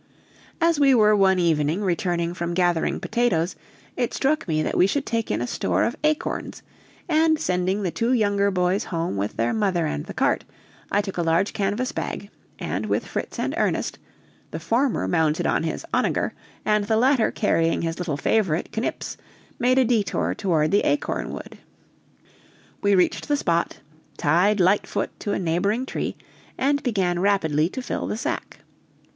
As we were one evening returning from gathering potatoes, it struck me that we should take in a store of acorns; and sending the two younger boys home with their mother and the cart, I took a large canvas bag, and with Fritz and Ernest, the former mounted on his onager, and the latter carrying his little favorite, Knips, made a detour toward the Acorn Wood. We reached the spot, tied Lightfoot to a neighboring tree, and began rapidly to fill the sack.